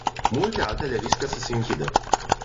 Multe altele riscă să se închidă.